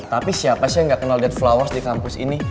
tapi siapa sih yang gak kenal lihat flowers di kampus ini